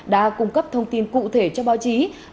đã cung cấp thông tin cụ thể cho báo chí